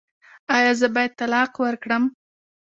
ایا زه باید طلاق ورکړم؟